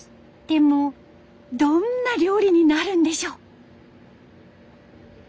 でもどんな料理になるんでしょ？